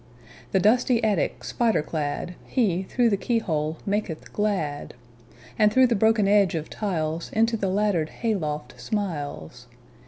The dusty attic spider cladHe, through the keyhole, maketh glad; And through the broken edge of tiles, Into the laddered hay loft smiles.